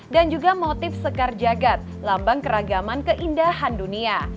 dan juga motif sekar jagad lambang keragaman keindahan dunia